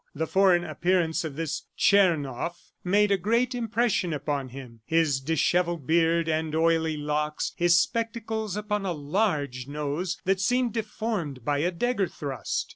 The foreign appearance of this Tchernoff made a great impression upon him his dishevelled beard, and oily locks, his spectacles upon a large nose that seemed deformed by a dagger thrust.